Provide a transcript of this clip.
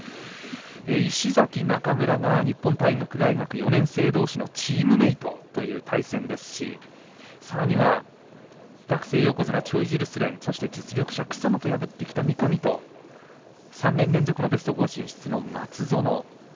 石崎、中村が日本体育大学４年生同士のチームメートという対戦ですしさらには学生横綱チョイジルスレンそして実力者草野と破ってきた三上と３年連続のベスト４進出の松園。